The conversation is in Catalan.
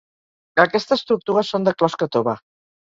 Aquestes tortugues són de closca tova.